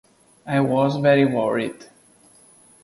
I was very worried.